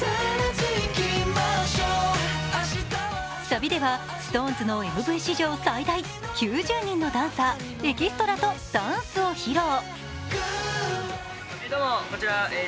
サビでは、ＳｉｘＴＯＮＥＳのＭＶ史上最大、９０人のダンサー、エキストラとダンスを披露。